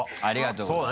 ありがとう。